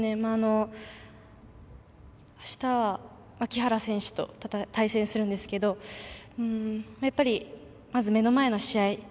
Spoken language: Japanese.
あしたは、木原選手と対戦するんですけどやっぱり、まず目の前の試合。